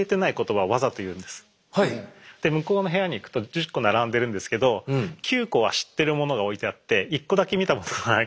で向こうの部屋に行くと１０個並んでるんですけど９個は知ってる物が置いてあって１個だけ見たことがない物があると。